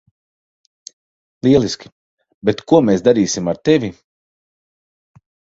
Lieliski, bet ko mēs darīsim ar tevi?